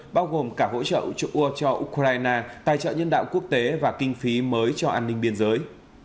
bao gồm cả hỗ trợ chủ ưu cho ukraine tài trợ nhân đạo quốc tế và kinh phí mới cho an ninh biên giới